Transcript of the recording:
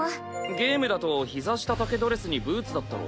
ゲームだとひざ下丈ドレスにブーツだったろ？